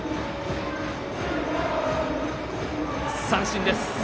三振です。